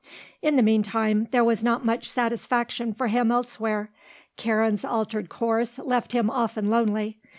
In the meantime there was not much satisfaction for him elsewhere. Karen's altered course left him often lonely.